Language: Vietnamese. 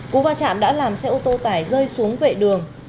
cú va chạm đã làm xe ô tô tải rơi xuống vệ đường